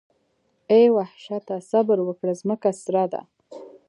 اې وحشته صبر وکړه ځمکه سره ده.